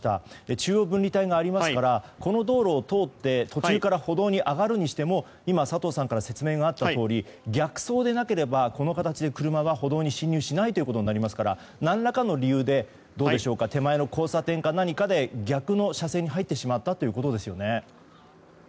中央分離帯がありますからこの道路を通って途中から歩道に上がるにしても今、佐藤さんから説明があったとおり逆走でなければこの形で車は歩道に進入しないことになりますから何らかの理由で、どうでしょうか手前の交差点か何かで逆の車線に入ってしまったということですよね。